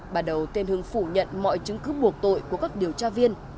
bắt đầu tên hưng phủ nhận mọi chứng cứ buộc tội của các điều tra viên